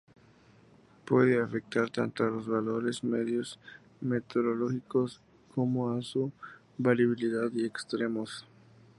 Puede afectar tanto a los valores medios meteorológicos como a su variabilidad y extremos.